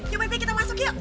yuk baby kita masuk yuk